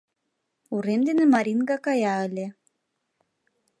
Урем дене Маринга кая ыле.